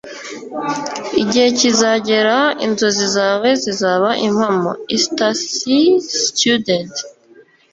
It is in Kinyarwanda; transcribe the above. igihe kizagera inzozi zawe zizaba impamo eastasiastudent